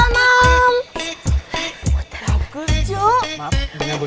kita datang disini